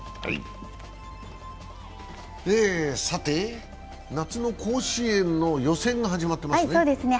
さて、夏の甲子園の予選が始まってますね。